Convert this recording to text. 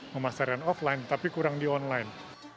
pemasaran offline tapi kurang di online